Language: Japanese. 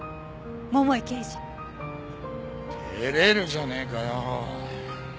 照れるじゃねえかよ。